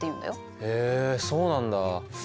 へえそうなんだ。